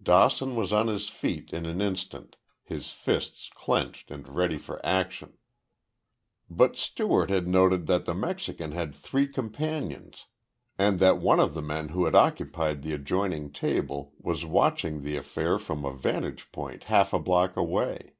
Dawson was on his feet in an instant, his fists clenched and ready for action. But Stewart had noted that the Mexican had three companions and that one of the men who had occupied the adjoining table was watching the affair from a vantage point half a block away.